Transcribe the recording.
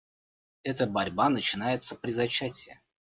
Эта борьба начинается при зачатии.